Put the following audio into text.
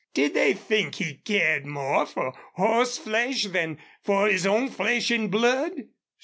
Did, they think he cared more for horseflesh than for his own flesh and blood?